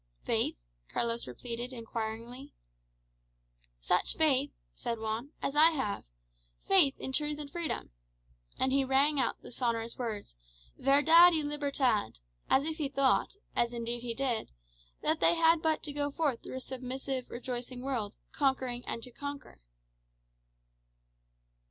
"Faith?" Carlos repeated inquiringly. "Such faith," said Juan, "as I have. Faith in truth and freedom?" And he rang out the sonorous words, "Verdad y libertad," as if he thought, as indeed he did, that they had but to go forth through a submissive, rejoicing world, "conquering and to conquer."